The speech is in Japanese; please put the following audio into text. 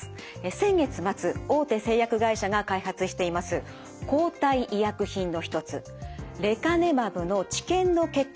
先月末大手製薬会社が開発しています抗体医薬品の一つレカネマブの治験の結果が発表されました。